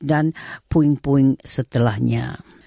dan puing puing setelahnya